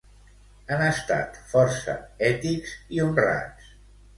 Han estat força ètics i honrats